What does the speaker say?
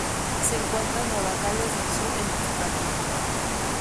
Se encuentra en Nueva Gales del Sur en Australia.